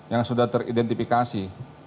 yang sudah teridentifikasi